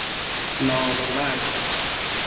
ناز مست